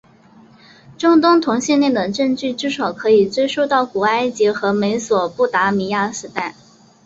中东同性恋的证据至少可以追溯到古埃及和美索不达米亚时代。